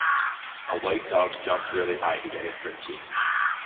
a white dog jumps really high to get his fribee.